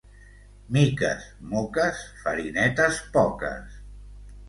Miques, moques; farinetes, poques.